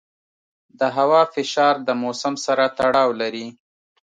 د هوا فشار د موسم سره تړاو لري.